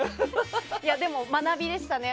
でも、学びでしたね。